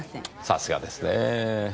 さすがですねぇ。